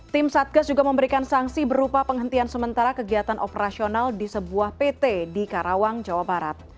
tim satgas juga memberikan sanksi berupa penghentian sementara kegiatan operasional di sebuah pt di karawang jawa barat